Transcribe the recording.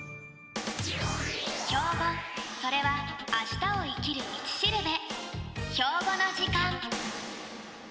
ひょうごそれはあしたをいきるみちしるべ！